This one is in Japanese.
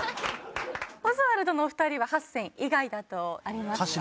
オズワルドのお二人は８選以外だとありますか？